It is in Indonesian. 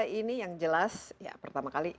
ini yang jelas ya pertama kali